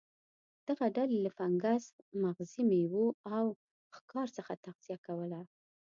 دغه ډلې له فنګس، مغزي میوو او ښکار څخه تغذیه کوله.